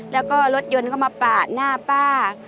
แล้วก็รถยนต์ก็มาปาดหน้าป้า